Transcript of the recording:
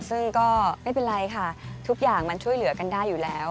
ซึ่งก็ไม่เป็นไรค่ะทุกอย่างมันช่วยเหลือกันได้อยู่แล้ว